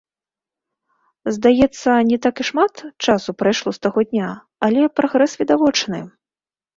Здаецца, не так і шмат часу прайшло з таго дня, але прагрэс відавочны.